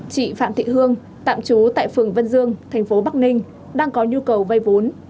chị phạm thị hương tạm trú tại phường vân dương thành phố bắc ninh đang có nhu cầu vay vốn